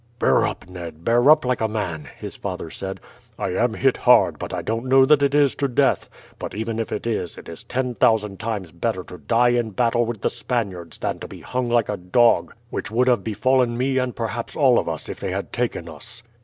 "Bear up, Ned; bear up like a man," his father said. "I am hit hard, but I don't know that it is to death. But even if it is, it is ten thousand times better to die in battle with the Spaniards than to be hung like a dog, which would have befallen me and perhaps all of us if they had taken us."